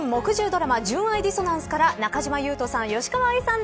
１０ドラマ純愛ディソナンスから中島裕翔さん